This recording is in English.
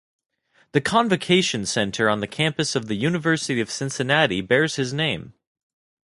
The Convocation center on the campus of the University of Cincinnati bears his name.